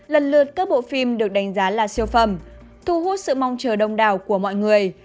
lần lượt các bộ phim được đánh giá là siêu phẩm thu hút sự mong chờ đông đảo của mọi người